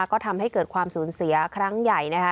ก็ทำให้เกิดความสูญเสียครั้งใหญ่นะคะ